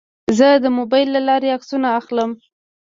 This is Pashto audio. زه د موبایل له لارې عکسونه اخلم.